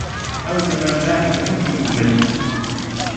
ئەو دەمە بابی بەهەشتی من مرد